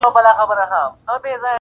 • وايی خوب د لېونو دی -